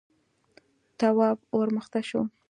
تواب ور مخته شو: